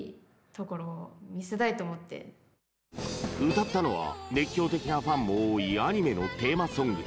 歌ったのは熱狂的なファンも多いアニメのテーマソング。